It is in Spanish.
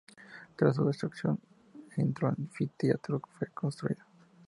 Tras su destrucción, otro anfiteatro fue construido.